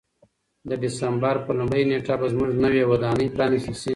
د دسمبر په لومړۍ نېټه به زموږ نوې ودانۍ پرانیستل شي.